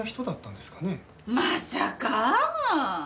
まさか！